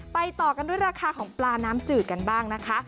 ต่อกันด้วยราคาของปลาน้ำจืดกันบ้างนะคะ